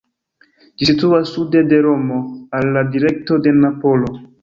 Ĝi situas sude de Romo, al la direkto de Napolo.